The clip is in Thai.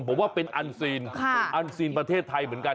ผมว่าเป็นอันซีนอันซีนประเทศไทยเหมือนกัน